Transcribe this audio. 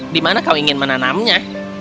di mana kau ingin menanamnya